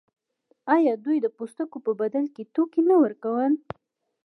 آیا دوی د پوستکو په بدل کې توکي نه ورکول؟